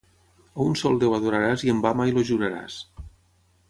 A un sol Déu adoraràs i en va mai el juraràs.